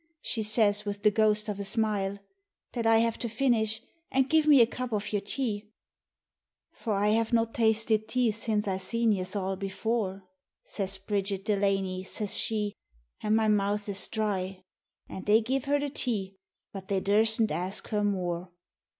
she says with the ghost of a smile, " That I have to finish, an' give me a cup of your tea, "For I have not tasted tea since I seen yez all before," Says Bridget Delany says she, " an' my mouth is dry." FAERY THRALL 124 And they give her the tea, but they durstn't ask her more.